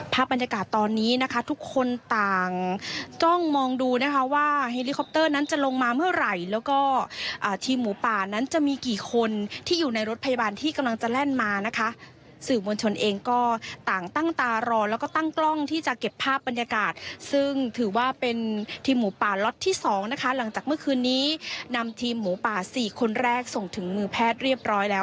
ภาพบรรยากาศตอนนี้นะคะทุกคนต่างจ้องมองดูนะคะว่าเฮลิคอปเตอร์นั้นจะลงมาเมื่อไหร่แล้วก็ทีมหมูป่านั้นจะมีกี่คนที่อยู่ในรถพยาบาลที่กำลังจะแล่นมานะคะสื่อมวลชนเองก็ต่างตั้งตารอแล้วก็ตั้งกล้องที่จะเก็บภาพบรรยากาศซึ่งถือว่าเป็นทีมหมูป่าล็อตที่สองนะคะหลังจากเมื่อคืนนี้นำทีมหมูป่าสี่คนแรกส่งถึงมือแพทย์เรียบร้อยแล้ว